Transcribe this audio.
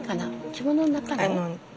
着物の中の。